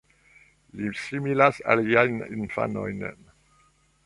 Li similas aliajn infanojn.